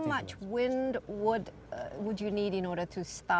tapi berapa banyak udara yang anda butuhkan